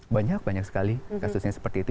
banyak banyak sekali kasusnya seperti itu